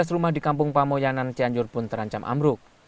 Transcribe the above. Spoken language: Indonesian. tiga belas rumah di kampung pamoyanan cianjur pun terancam ambruk